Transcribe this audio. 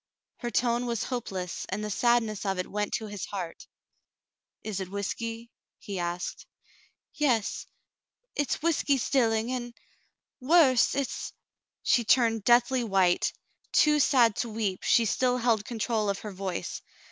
" Her tone was hopeless, and the sadness of it went to his heart. "Is it whiskey ?" he asked. "Yes — it's whiskey 'stilling and — worse; it's —" She turned deathly w^hite. Too sad to weep, she still held control of her voice.